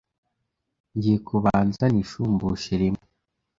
ngiye kubanza nishumbushe rimwe